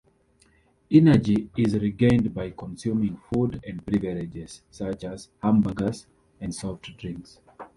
Energy is regained by consuming food and beverages, such as hamburgers and soft drinks.